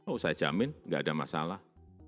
oh saya jamin nggak ada masalah